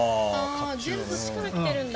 全部こっちから来てるんだ。